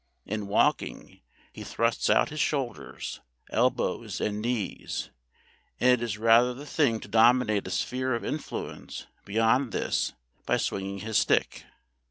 In walking he thrusts out his shoulders, elbows, and knees, and it is rather the thing to dominate a sphere of influence beyond this by swinging his stick.